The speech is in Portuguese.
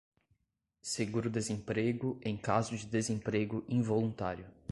seguro-desemprego, em caso de desemprego involuntário;